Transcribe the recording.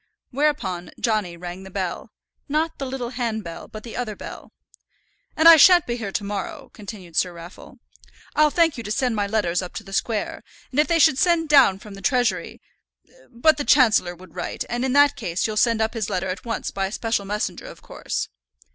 Whereupon Johnny rang the bell not the little handbell, but the other bell. "And I shan't be here to morrow," continued Sir Raffle. "I'll thank you to send my letters up to the square; and if they should send down from the Treasury; but the Chancellor would write, and in that case you'll send up his letter at once by a special messenger, of course."